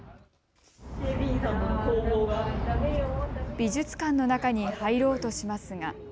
美術館の中に入ろうとしますが。